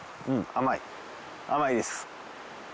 甘いです！